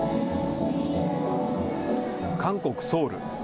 韓国・ソウル。